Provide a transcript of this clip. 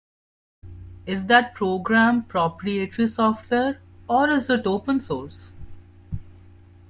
Is that program proprietary software, or is it open source?